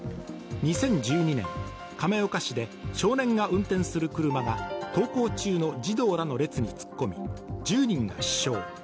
２０１２年亀岡市で少年が運転する車が、登校中の児童らの列に突っ込み、１０人が死傷。